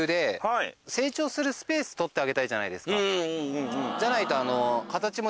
そうじゃないと。